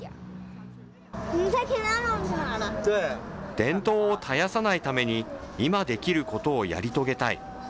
伝統を絶やさないために、今できることをやり遂げたい。